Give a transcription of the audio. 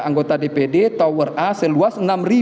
anggota dpd tower a seluas